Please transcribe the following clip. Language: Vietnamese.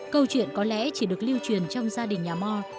câu chuyện có lẽ chỉ được lưu truyền trong gia đình nhà mò